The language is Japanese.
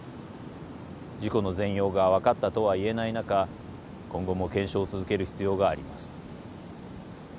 事故の全容が分かったとは言えない中今後も検証を続ける必要があります。